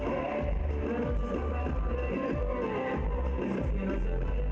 สวัสดีครับ